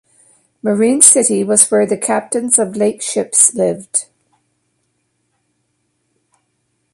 Marine City was where the captains of lake ships lived.